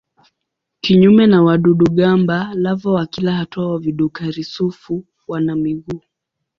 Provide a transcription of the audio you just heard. Kinyume na wadudu-gamba lava wa kila hatua wa vidukari-sufu wana miguu.